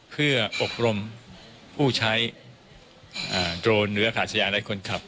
เพื่ออบรมผู้ใช้โดรนหรืออากาศยานและคนขับ